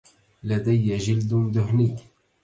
لدي جلد دهني.